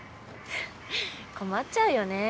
困っちゃうよね。